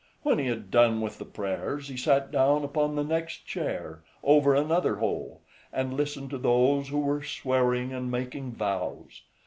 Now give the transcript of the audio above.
When he had done with the prayers, he sat down upon the next chair, over another hole, and listened to those who were swearing and making vows.